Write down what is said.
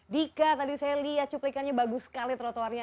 dika tadi saya lihat cuplikannya bagus sekali trotoarnya